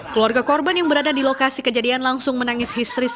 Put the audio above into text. keluarga korban yang berada di lokasi kejadian langsung menangis histeris